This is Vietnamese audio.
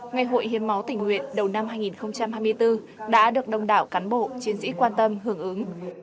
ngày hội hiến máu tình nguyện đầu năm hai nghìn hai mươi bốn đã được đông đảo cán bộ chiến sĩ quan tâm hưởng ứng